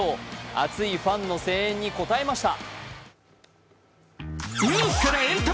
熱いファンの声援に応えました。